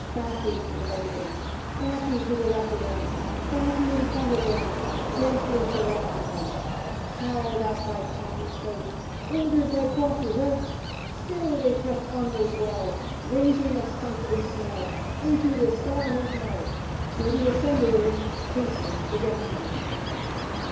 'Baccy to right of them, 'Baccy to left of them, 'Baccy in front of them, Densely surrounds men ! Howled at by cad and scout, Ordered by Proctors out, Still they pressed onwards well. Raising a stifling smell. Into the "Star'' Hotel, To the Assembly Room, Hastened the Gownsmen.